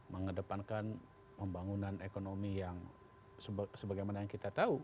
mengedepankan pembangunan ekonomi yang sebagaimana yang kita tahu